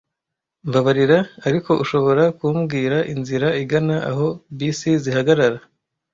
Mbabarira, ariko ushobora kumbwira inzira igana aho bisi zihagarara?